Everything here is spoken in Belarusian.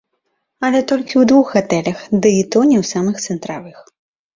Але толькі ў двух гатэлях, ды і то не ў самых цэнтравых.